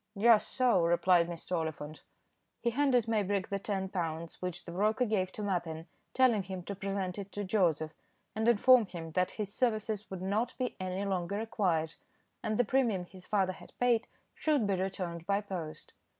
"Just so," replied Mr. Oliphant. He handed Maybrick the ten pounds, which the broker gave to Mappin, telling him to present it to Joseph, and inform him that his services would not be any longer required, and the premium his father had paid should be returned by post.